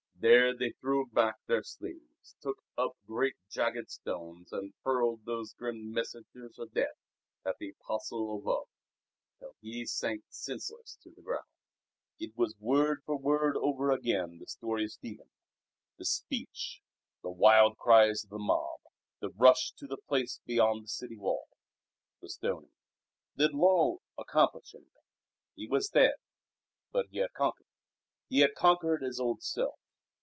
There they threw back their sleeves, took up great jagged stones and hurled these grim messengers of hate at the Apostle of Love, till he sank senseless to the ground. It was word for word over again the story of Stephen; the speech, the wild cries of the mob, the rush to the place beyond the city wall, the stoning. Did Lull accomplish anything? He was dead; but he had conquered. He had conquered his old self.